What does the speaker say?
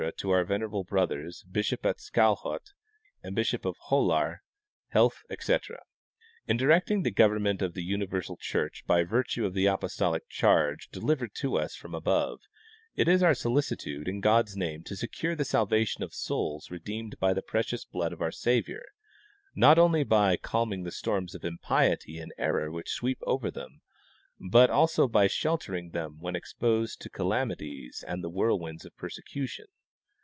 to our venerable brothers, bishop of Skalholt and bishop of Holar, health, etc. : In directing the government of the universal church by virtue of the apostolic charge delivered to us from above, it is our solicitude in God's name to secure the salvation of souls re deemed by the precious blood of our Saviour, not only by calm ing the storms of impiet}^ and error which sweep over them, but also by sheltering them when exposed to calamities and the whirlwinds of persecution.